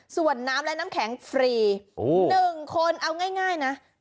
ส่วนน้ำและน้ำแข็งฟรี๑คนเอาง่ายนะ